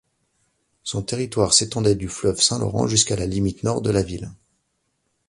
Son territoire s'étendait du fleuve Saint-Laurent jusqu'à la limite nord de la ville.